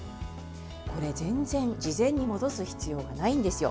これ、全然事前に戻す必要がないんですよ。